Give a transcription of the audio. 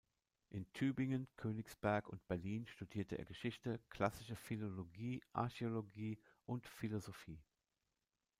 In Tübingen, Königsberg und Berlin studierte er Geschichte, Klassische Philologie, Archäologie und Philosophie.